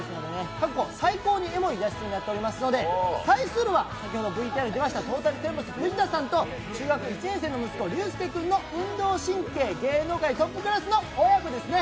過去最高にエモくなっておりますので先ほどのトータルテンボス・藤田さんと中学１年生の息子、琉左君の運動神経芸能界トップクラスの親子ですね。